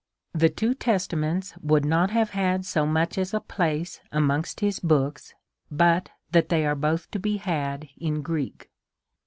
The two Testaments would not have had so much as a place amongst his book??, but that they are both to be had in Greek.